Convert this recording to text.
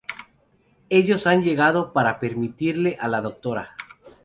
Ellos han llegado para permitirle a la dra.